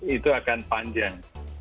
itu akan panjang